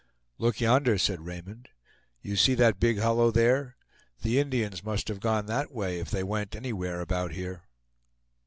"Look yonder," said Raymond; "you see that big hollow there; the Indians must have gone that way, if they went anywhere about here."